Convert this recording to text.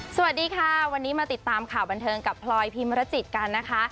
สวัสดีค่ะวันนี้มาติดตามข่าวบันเทิงกับพลอยพิมรจิตกันนะคะ